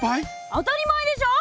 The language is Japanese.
当たり前でしょ！